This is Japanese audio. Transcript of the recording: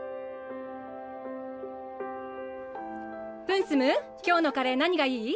プンスム今日のカレー何がいい？